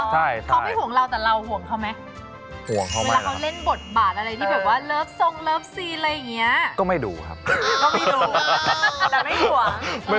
หรอเขาไม่ห่วงเราแต่เราห่วงเขามั้ย